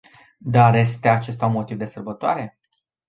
Dar este acesta un motiv de sărbătoare?